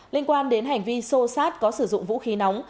liên quan đến hành vi sô sát có sử dụng vũ khí nóng